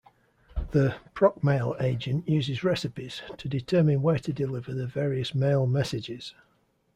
The procmail agent uses recipes, to determine where to deliver the various mail messages.